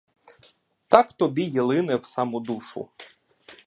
Так тобі й лине в саму душу.